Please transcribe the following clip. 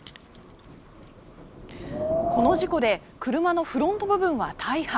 この事故で車のフロント部分は大破。